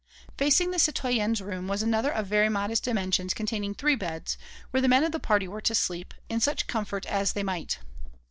Facing the citoyennes' room was another of very modest dimensions containing three beds, where the men of the party were to sleep, in such comfort as they might.